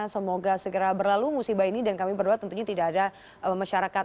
semoga segera berlalu musibah ini dan kami berdua tentunya tidak ada masyarakat